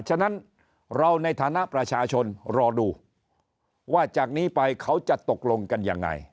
ฉะนั้นเราในฐานะประชาชนรอดูว่าจากนี้ไปเขาจะตกลงกันยังไง